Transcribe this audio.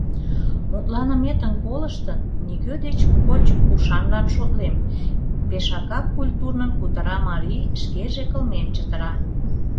Мутланыметым колыштын, нигӧ деч коч ушанлан шотлем, — пешакак культурнын кутыра марий, шкеже кылмен чытыра.